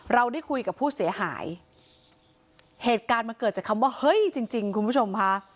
เราได้คุยกับผู้เสียหายเหตุการณ์มันเกิดจากคำว่าเฮ้ยจริงจริงคุณผู้ชมค่ะ